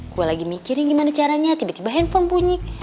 gue lagi mikirin gimana caranya tiba tiba handphone bunyik